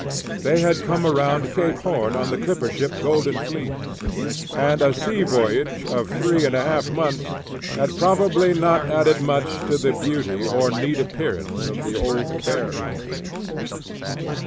They had come around Cape Horn on the clipper ship Golden Fleece, and a sea voyage of three and a half months had probably not added much to the beauty or neat appearance of the old bear hunter.